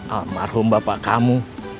alam marhum bapak kamu